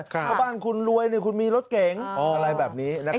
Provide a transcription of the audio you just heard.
เพราะบ้านคุณรวยคุณมีรถเก่งอะไรแบบนี้นะครับ